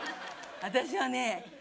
私はね